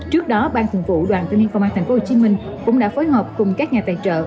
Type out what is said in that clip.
trước đó ban thường vụ đoàn tình hiện phòng an tp hcm cũng đã phối hợp cùng các nhà tài trợ